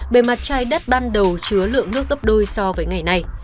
bề mặt chai đất ban đầu chứa lượng nước tấp đôi so với ngày nay